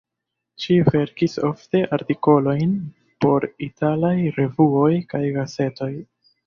Ŝi verkis ofte artikolojn por italaj revuoj kaj gazetoj.